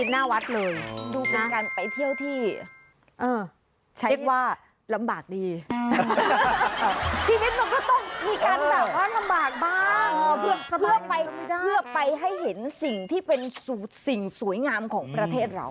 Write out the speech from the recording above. นี่ลำภาพนี้อ่ะ